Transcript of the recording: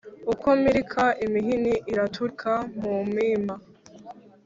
uko mpirika, imihini iraturika mu mpima